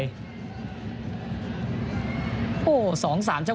ส่วนที่สุดท้ายส่วนที่สุดท้าย